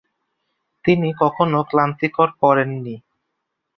তিনি কখনও ক্লান্তিকর করেন নি"।